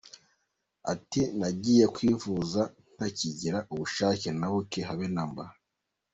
Ati “Nagiye kwivuza ntakigira ubushake na buke habe na mba.